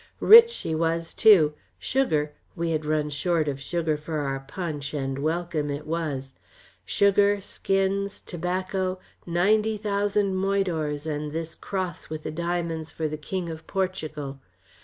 Rich she was, too. Sugar we had run short of sugar for our punch, and welcome it was sugar, skins, tobacco, ninety thousand moidors, and this cross with the diamonds for the King of Portugal.